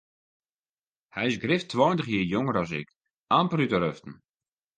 Hy is grif tweintich jier jonger as ik, amper út de ruften.